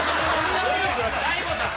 大悟さん！